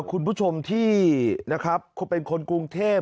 คุณผู้ชมที่เป็นคนกรุงเทพฯ